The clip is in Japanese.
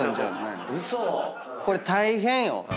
これ大変よ。